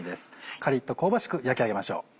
カリっと香ばしく焼き上げましょう。